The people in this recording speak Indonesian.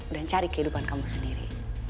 dan cari kehidupan kamu sendiri